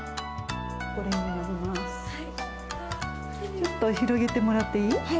ちょっと広げてもらっていい？